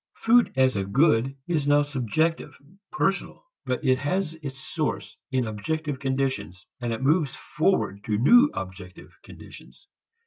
Food as a good is now subjective, personal. But it has its source in objective conditions and it moves forward to new objective conditions.